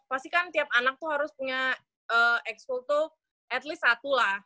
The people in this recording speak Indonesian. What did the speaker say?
pasti kan tiap anak tuh harus punya x school tuh at least satu lah